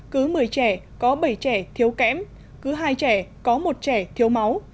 cứ một mươi trẻ có bảy trẻ thiếu kém cứ hai trẻ có một trẻ thiếu máu